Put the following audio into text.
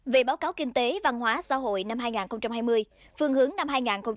về báo cáo kinh tế văn hóa xã hội năm hai nghìn hai mươi phương hướng năm hai nghìn hai mươi một